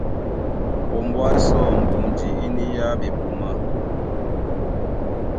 Ombwá sɔ́ mbonji í niyá ɓepumá.